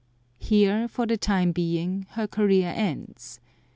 Here, for the time being, her career ends.